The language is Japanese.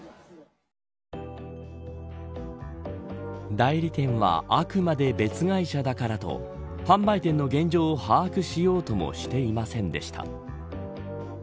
代理店はあくまで別会社だからと販売店の現状を把握しようともしていませんでした。